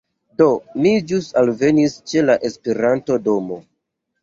Do, mi ĵus alvenis ĉe la Esperanto-domo